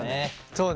そうね。